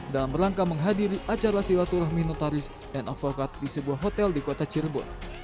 dalam rangka menghadiri acara silaturahmi notaris dan avokat di sebuah hotel di kota cirebon